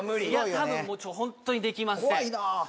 多分ホントにできません